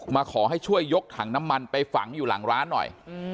มาขอให้ช่วยยกถังน้ำมันไปฝังอยู่หลังร้านหน่อย